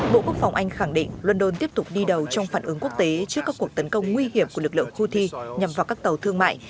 bộ quốc phòng anh khẳng định london tiếp tục đi đầu trong phản ứng quốc tế trước các cuộc tấn công nguy hiểm của lực lượng houthi nhằm vào các tàu thương mại